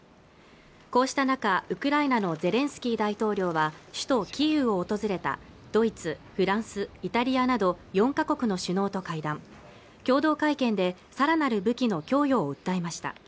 こうした中ウクライナのゼレンスキー大統領は首都キエフを訪れたドイツフランス、イタリアなど４か国の首脳と会談共同会見でさらなる武器の供与を訴えました